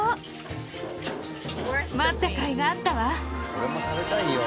俺も食べたいよ。